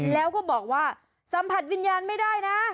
แล้วก็บอกว่าสัมผัสวิญญาณไม่ได้นะ